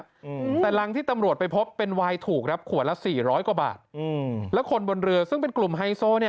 อืมแต่รังที่ตำรวจไปพบเป็นวายถูกครับขวดละสี่ร้อยกว่าบาทอืมแล้วคนบนเรือซึ่งเป็นกลุ่มไฮโซเนี้ย